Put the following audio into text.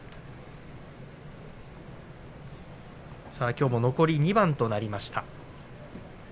きょうも残り２番となりました。